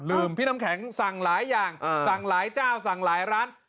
พี่น้ำแข็งสั่งหลายอย่างสั่งหลายเจ้าสั่งหลายร้าน